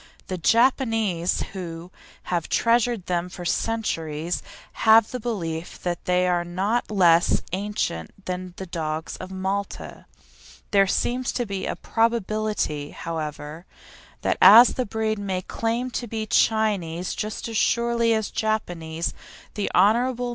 The Japanese, who have treasured them for centuries, have the belief that they are not less ancient than the dogs of Malta. There seems to be a probability, however, that the breed may claim to be Chinese just as surely as Japanese. The Hon. Mrs.